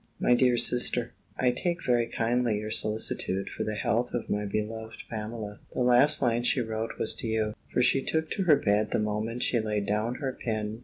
_ MY DEAR SISTER, I take very kindly your solicitude for the health of my beloved Pamela. The last line she wrote was to you, for she took to her bed the moment she laid down her pen.